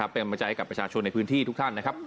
เป็นประใจกับประชาชนในพื้นที่ทุกท่านนะครับ